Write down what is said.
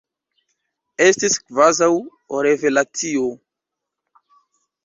Estis kvazaŭ revelacio!